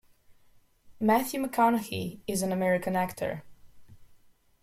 Matthew McConaughey is an American actor.